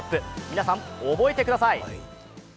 皆さん覚えてください。